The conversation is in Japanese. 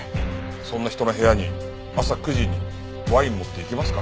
そんな人の部屋に朝９時にワイン持って行きますか？